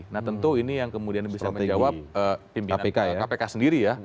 nah tentu ini yang kemudian bisa menjawab pimpinan kpk sendiri ya